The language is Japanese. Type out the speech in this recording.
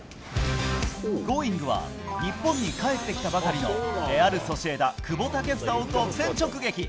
Ｇｏｉｎｇ！は日本に帰ってきたばかりのレアルソシエダ、久保建英を独占直撃。